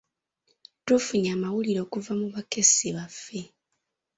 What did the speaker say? Tufunye amawulire okuva mu bakessi baffe